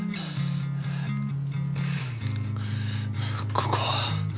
ここは？